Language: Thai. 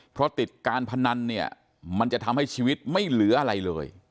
เพราะติดการพนันเนี่ยมันจะทำให้ชีวิตไม่เหลืออะไรเลย